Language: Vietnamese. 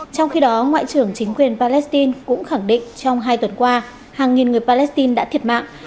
trong khi đó ngoại trưởng chính quyền palestine cũng khẳng định trong hai tuần qua hàng nghìn người palestine đã thiệt mạng